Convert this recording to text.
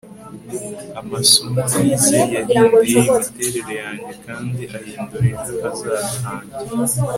amasomo nize yahinduye imiterere yanjye kandi ahindura ejo hazaza hanjye